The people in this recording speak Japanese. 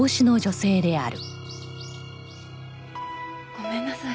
ごめんなさい。